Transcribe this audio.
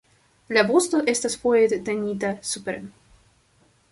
La vosto estas foje tenita supren.